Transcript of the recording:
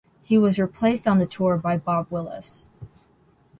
He was replaced on the tour by Bob Willis.